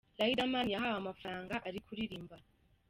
Rideman yahawe amafaranga ari kuririmba :.